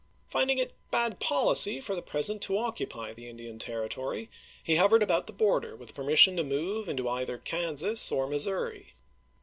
Finding it bad policy for the present to occupy the Indian Territory, he hovered about the border with per mission to move into either Kansas or Missouri.